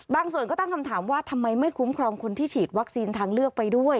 ส่วนก็ตั้งคำถามว่าทำไมไม่คุ้มครองคนที่ฉีดวัคซีนทางเลือกไปด้วย